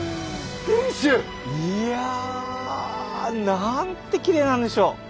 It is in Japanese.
いやなんてきれいなんでしょう！